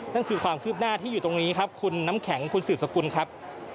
นั่นคือความคืบหน้าที่อยู่ตรงนี้ครับคุณน้ำแข็งคุณสืบสกุลครับ